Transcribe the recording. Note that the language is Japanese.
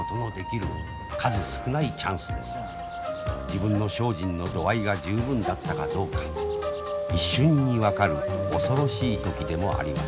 自分の精進の度合いが十分だったかどうか一瞬に分かる恐ろしい時でもあります。